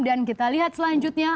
dan kita lihat selanjutnya